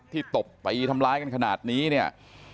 ตบตีทำร้ายกันขนาดนี้เนี่ย